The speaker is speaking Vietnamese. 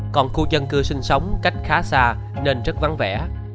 còn khu dân cư sinh sống cách khá xa nên rất vắng vẻ